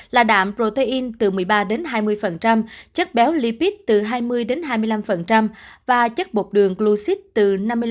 là đạm protein từ một mươi ba hai mươi chất béo lipid từ hai mươi hai mươi năm và chất bột đường glucid từ năm mươi năm sáu mươi năm